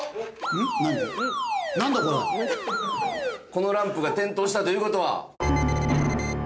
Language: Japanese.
このランプが点灯したという事は。